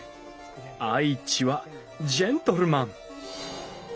愛知はジェントルマン。